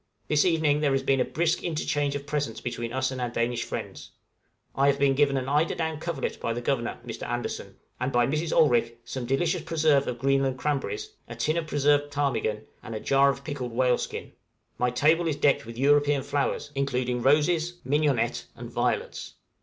This evening there has been a brisk interchange of presents between us and our Danish friends. I have been given an eider down coverlet by the Governor, Mr. Andersen; and, by Mrs. Olrik, some delicious preserve of Greenland cranberries, a tin of preserved ptarmigan, and a jar of pickled whale skin; my table is decked with European flowers, including roses, mignonette, and violets.